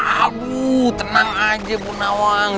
aduh tenang aja bu nawang